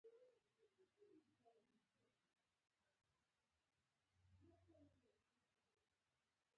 بد خوی ټولنه ورانوي، خو ښه اخلاق یې ابادوي.